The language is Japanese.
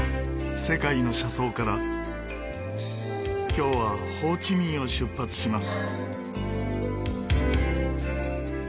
今日はホーチミンを出発します。